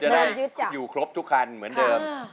วินจะได้อยู่ครบทุกคันเหมือนเดิม